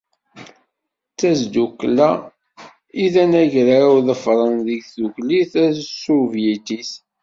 D tazdukla i d anagraw ḍefren deg Tdukli Tasuvyitit.